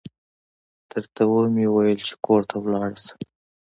درته و مې ويل چې کور ته ولاړه شه.